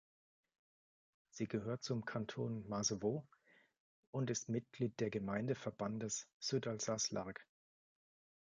Sie gehört zum Kanton Masevaux und ist Mitglied der Gemeindeverbandes Sud Alsace Largue.